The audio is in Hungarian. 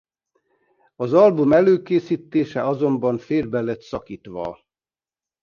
Az album előkészítése azonban félbe lett szakítva.